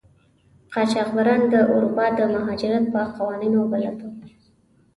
قاچاقبران د اروپا د مهاجرت په قوانینو بلد وو.